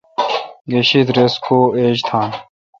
گیشیدس رس کو ایج تان۔